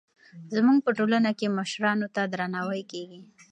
زموږ په ټولنه کې مشرانو ته درناوی کېږي.